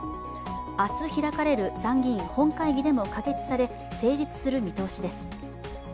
明日開かれる参議院本会議でも可決され成立する見通しです。